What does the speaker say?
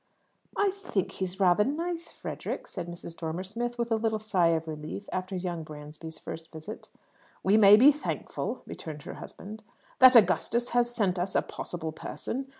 "I think he's rather nice, Frederick," said Mrs. Dormer Smith, with a little sigh of relief after young Bransby's first visit. "We may be thankful," returned her husband, "that Augustus has sent us a possible person.